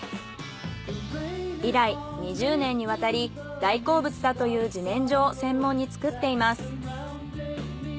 以来２０年にわたり大好物だという自然薯を専門に作っています。